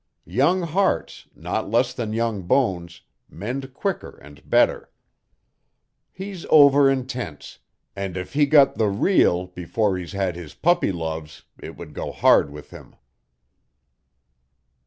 Young hearts, not less than young bones, mend quicker and better. He's over intense and if he got the real before he's had his puppy loves it would go hard with him."